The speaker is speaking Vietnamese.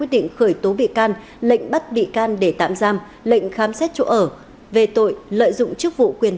lệnh khởi tố bị can lệnh bắt bị can để tạm giam lệnh khám xét chỗ ở về tội lợi dụng chức vụ quyền